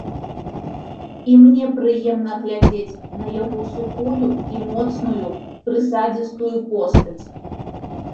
І мне прыемна глядзець на яго сухую і моцную, прысадзістую постаць.